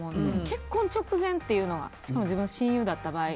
結婚直前というのがしかも自分の親友だった場合。